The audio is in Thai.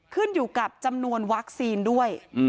ขึ้นอยู่กับจำนวนวัคซีนด้วย